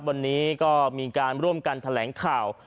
วันนี้ก็มีการร่วมกันแถลงข่าว